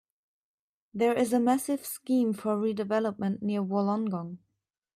There is a massive scheme for redevelopment near Wollongong.